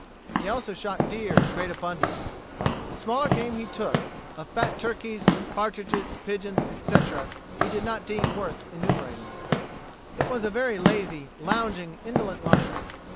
He also shot deer in great abundance. The smaller game he took, of fat turkeys, partridges, pigeons, etc., he did not deem worth enumerating. It was a very lazy, lounging, indolent life.